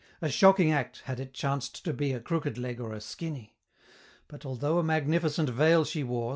A shocking act had it chanced to be A crooked leg or a skinny: But although a magnificent veil she wore.